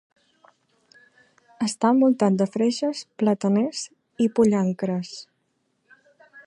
Està envoltat de freixes, plataners i pollancres.